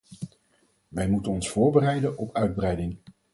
Wij moeten ons voorbereiden op uitbreiding.